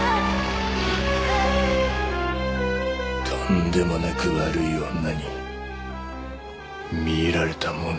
とんでもなく悪い女に魅入られたもんだな。